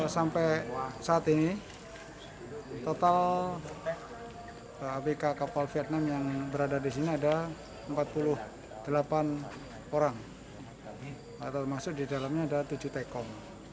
sampai saat ini total abk kapal vietnam yang berada di sini ada empat puluh delapan orang atau masuk di dalamnya ada tujuh tekom